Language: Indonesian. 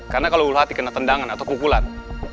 karena kalo ulu hati kena tendangan atau pukulan